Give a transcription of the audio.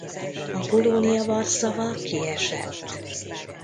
A Polonia Warszawa kiesett.